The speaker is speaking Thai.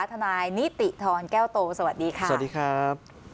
ทนายนิติธรแก้วโตสวัสดีค่ะสวัสดีครับ